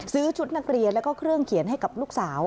ชุดนักเรียนแล้วก็เครื่องเขียนให้กับลูกสาว